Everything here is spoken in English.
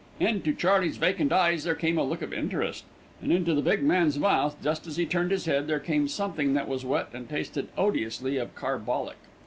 Into Charley's vacant eyes there came a look of interest, and into the big man's mouth, just as he turned his head, there came a something that was wet and tasted odiously of carbolic.